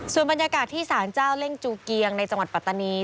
ส่วนบรรยากาศที่สารเจ้าเล่งจูเกียงในจังหวัดปัตตานี